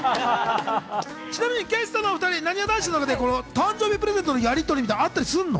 ちなみにゲストのお２人、なにわ男子の中で誕生日でプレゼントのやりとりってあったりするの？